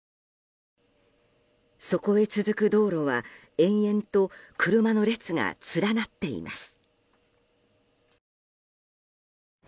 そこへ続く道路は延々と車の列が連なっています。